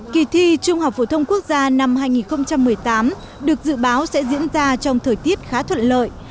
kỳ thi trung học phổ thông quốc gia năm hai nghìn một mươi tám được dự báo sẽ diễn ra trong thời tiết khá thuận lợi